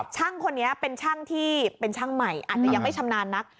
ช่างคนนี้เป็นช่างที่เป็นช่างใหม่อาจจะยังไม่ชำนาญนัก